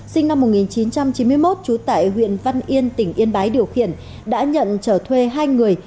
sinh năm một nghìn chín trăm chín mươi một trú tại huyện văn yên tỉnh yên bái điều khiển đã nhận trở thuê hai người